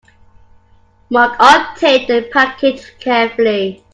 Mark untaped the package carefully.